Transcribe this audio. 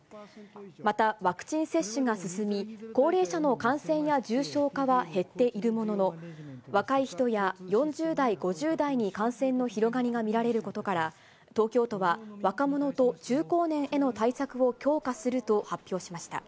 また、ワクチン接種が進み、高齢者の感染や重症化は減っているものの、若い人や４０代、５０代に感染の広がりが見られることから、東京都は若者と中高年への対策を強化すると発表しました。